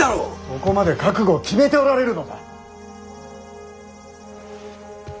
そこまで覚悟を決めておられるのだ！